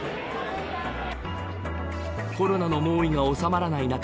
コロナの猛威が収まらない中